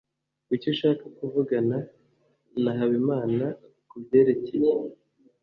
kuki ushaka kuvugana na habimana kubyerekeye